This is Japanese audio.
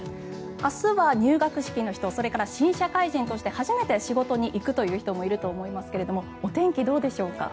明日は入学式の人それから新社会人として初めて仕事に行くという人もいると思いますけれどもお天気、どうでしょうか。